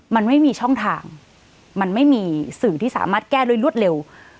มันไม่มีช่องทางมันไม่มีสื่อที่สามารถแก้โดยรวดเร็ว